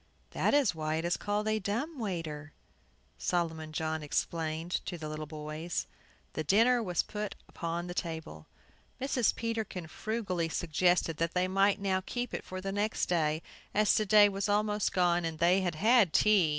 "That is why it is called a dumb waiter," Solomon John explained to the little boys. The dinner was put upon the table. Mrs. Peterkin frugally suggested that they might now keep it for the next day, as to day was almost gone, and they had had tea.